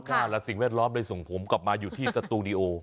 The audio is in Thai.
และสิ่งแวดล้อมเลยส่งผมกลับมาอยู่ที่สตูดิโอ